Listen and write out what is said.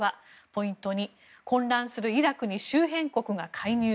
ポイント２混乱するイラクに周辺国が介入。